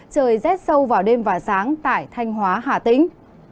trời rét sâu vào đêm và sáng tại thanh hóa hà tĩnh